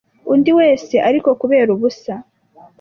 Undi wese, ariko kubera ubusa.